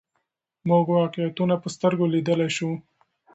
موږ واقعیتونه په سترګو لیدلای سو.